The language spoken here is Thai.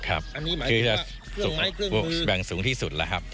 อันนี้หมายถึงว่าเครื่องให้เครื่องมือแบ่งสูงที่สุดแล้วครับ